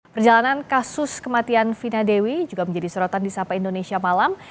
perjalanan kasus kematian fina dewi juga menjadi sorotan di sapa indonesia malam